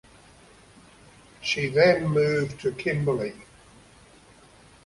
She then moved to Kimberley.